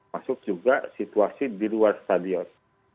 masuk juga situasi di luar stadion